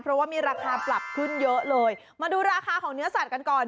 เพราะว่ามีราคาปรับขึ้นเยอะเลยมาดูราคาของเนื้อสัตว์กันก่อน